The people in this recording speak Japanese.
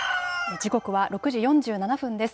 時刻は６時４７分です。